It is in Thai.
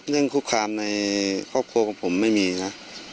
คุกคามในครอบครัวของผมไม่มีนะ